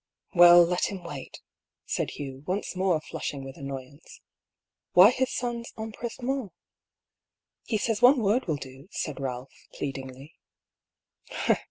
" Well, let him wait," said Hugh, once more flushing with annoyance. (Why his son's empressement f ) "He says one word will do," said Ealph, plead ingly.